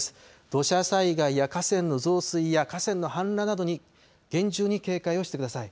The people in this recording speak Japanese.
土砂災害や河川の増水や河川の氾濫などに厳重に警戒をしてください。